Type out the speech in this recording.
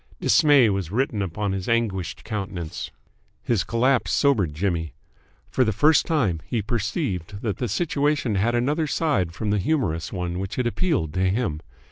Dismay was written upon his anguished countenance. His collapse sobered Jimmy. For the first time he perceived that the situation had another side than the humorous one which had appealed to him.